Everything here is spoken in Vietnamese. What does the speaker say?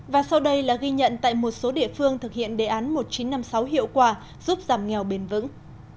và sau đây là ghi nhận tại một số địa phương thực hiện đề án một nghìn chín trăm năm mươi sáu hiệu quả giúp giảm nghèo bền vững